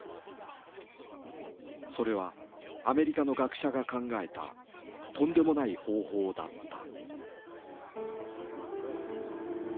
それはアメリカの学者が考えたとんでもない方法だった。